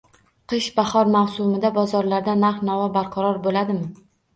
Qish-bahor mavsumida bozorlarda narx-navo barqaror bo‘ladimi?